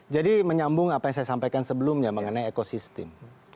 jadi menyambung apa yang saya sampaikan sebelumnya mengenai ekosistem